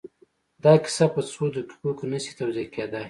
دا کيسه په څو دقيقو کې نه شي توضيح کېدای.